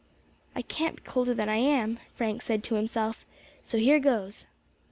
"I can't be colder than I am," Frank said to himself, "so here goes."